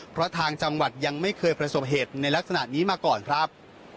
เพราะทางจังหวัดยังไม่เคยประสบเหตุในลักษณะนี้มาก่อนครับ